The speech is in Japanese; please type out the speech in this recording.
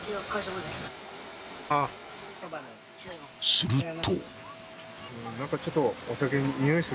［すると］